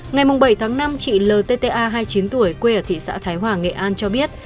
ngày bảy tháng năm chị ltta hai mươi chín tuổi quê ở thị xã thái hòa nghệ an cho biết